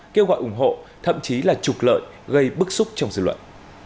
kêu gọi ủng hộ thậm chí là trục lợi gây bức xúc trong dư luận